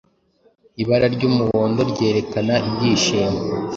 Ibara ry’umuhondo ryerekana ibyishimo,